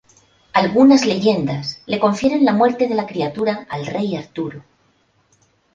Algunas leyendas le confieren la muerte de la criatura al Rey Arturo.